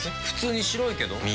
普通に白いけど。